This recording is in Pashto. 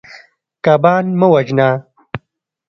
کبان مه وژنه.